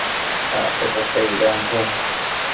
acte potebidanshun